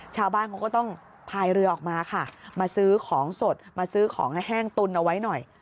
ชาวบ้านเขาก็ต้องพายเรือออกมาค่ะมาซื้อของสดมาซื้อของให้แห้งตุนเอาไว้หน่อย